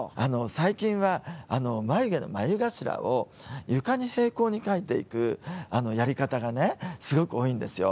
最近は眉毛の眉頭を床に平行に描いていくやり方がねすごく多いんですよ。